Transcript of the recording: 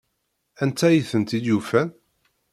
Anta ay tent-id-yufan?